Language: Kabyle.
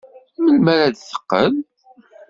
Melmi ara d-teqqel?